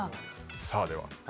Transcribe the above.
さあでは。